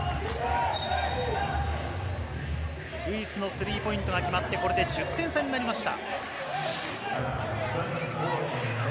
ルイスのスリーポイントが決まってこれで１０点差になりました。